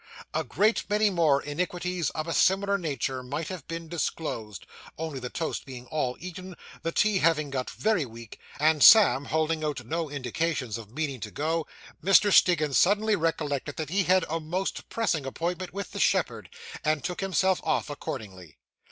A great many more iniquities of a similar nature might have been disclosed, only the toast being all eaten, the tea having got very weak, and Sam holding out no indications of meaning to go, Mr. Stiggins suddenly recollected that he had a most pressing appointment with the shepherd, and took himself off accordingly.